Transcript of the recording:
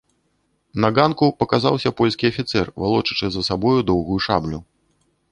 На ганку паказаўся польскі афіцэр, валочачы за сабою доўгую шаблю.